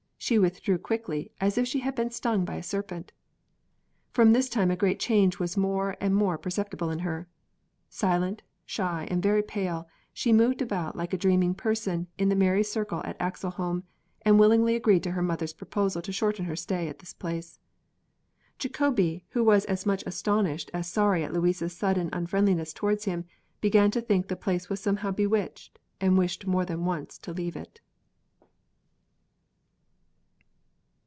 She withdrew quickly, as if she had been stung by a serpent. From this time a great change was more and more perceptible in her. Silent, shy, and very pale, she moved about like a dreaming person in the merry circle at Axelholm, and willingly agreed to her mother's proposal to shorten her stay at this place. Jacobi, who was as much astonished as sorry at Louise's sudden unfriendliness towards him, began to think the place was somehow bewitched, and wished more than once to leave it.